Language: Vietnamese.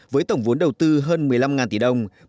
với tổng vốn đầu tư hơn một mươi năm tỷ đồng